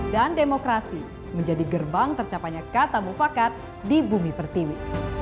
dan demokrasi menjadi gerbang tercapainya kata mufakat di bumi pertiwi